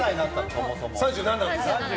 そもそも。